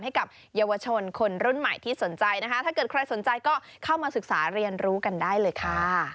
ให้กับเยาวชนคนรุ่นใหม่ที่สนใจนะคะถ้าเกิดใครสนใจก็เข้ามาศึกษาเรียนรู้กันได้เลยค่ะ